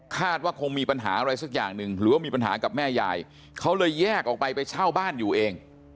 ว่าคงมีปัญหาอะไรสักอย่างหนึ่งหรือว่ามีปัญหากับแม่ยายเขาเลยแยกออกไปไปเช่าบ้านอยู่เอง